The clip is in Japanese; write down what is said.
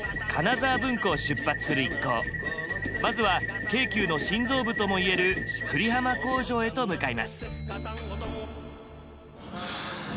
まずは京急の心臓部ともいえる久里浜工場へと向かいます。